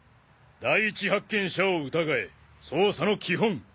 「第一発見者を疑え」捜査の基本。